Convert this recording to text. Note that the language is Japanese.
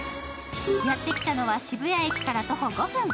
やってきたのは渋谷駅から徒歩５分。